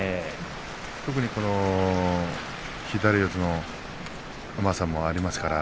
特に左四つのうまさもありますから